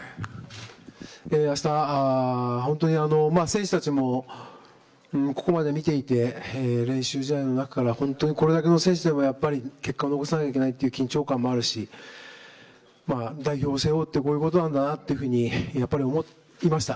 明日選手たちもここまで見ていて練習試合の中から本当にこれだけの選手でも結果を残さないといけないという緊張感もあるし代表を背負うってこういうことなんだなと思いました。